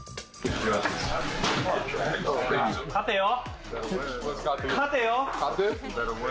勝てよ！